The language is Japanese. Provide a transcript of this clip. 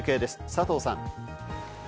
佐藤さん。